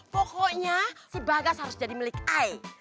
pokoknya si bagas harus jadi milik ai